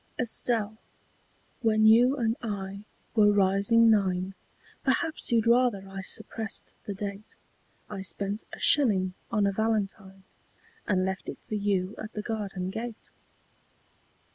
] ESTELLE, when you and I were rising nine Perhaps you'd rather I suppressed the date I spent a shilling on a valentine And left it for you at the garden gate.